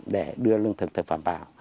để đưa lương thực thực phẩm vào